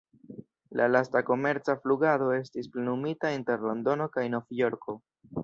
La lasta komerca flugado estis plenumita inter Londono kaj Nov-Jorko.